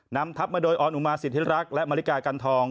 นำทับมาโดยออนอุมาสิทธิรักษ์และมริกากันทอง